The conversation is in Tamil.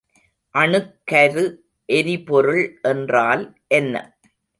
அணுக்கரு எரிபொருள் என்றால் என்ன?